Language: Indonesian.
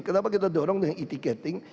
kenapa kita dorong dengan e ticketing